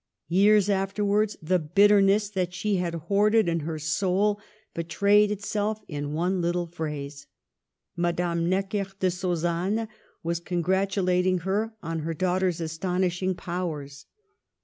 Years afterwards, the bitterness that she had hoarded in her soul betrayed itself in one little phrase. Madame Necker de Sausanne was congratulating her on her daughter's astonishing powers.